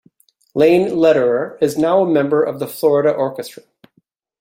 Lane Lederer is now a member of the Florida Orchestra.